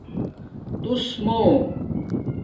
تُݸس مُو